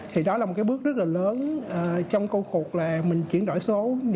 thì đó là một cái bước rất là lớn trong câu cuộc là mình chuyển đổi số